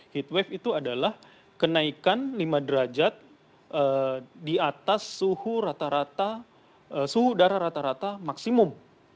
heat wave itu adalah kenaikan lima derajat di atas suhu rata rata suhu udara rata rata maksimum